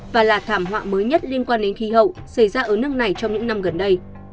và là thảm họa mới nhất liên quan đến khí hậu xảy ra ở nước này trong những năm gần đây